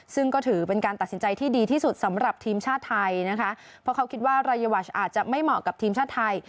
ซึ่งก็ถือเป็นการตัดสินใจที่ดีที่สุดสำหรับทีมชาติไทยนะคะเพราะเขาคิดว่ารายวัชอาจจะไม่เหมาะกับทีมชาติไทย